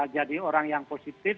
jadi orang yang positif